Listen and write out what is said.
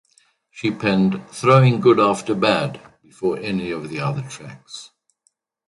She penned "Throwing Good After Bad" before any of the other tracks.